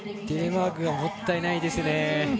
テレマークがもったいないですね。